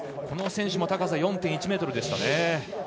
この選手も高さ４．１ｍでしたね。